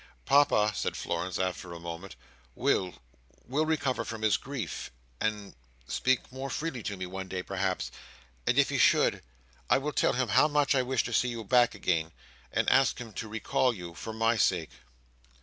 "Papa," said Florence, after a moment, "will—will recover from his grief, and—speak more freely to me one day, perhaps; and if he should, I will tell him how much I wish to see you back again, and ask him to recall you for my sake."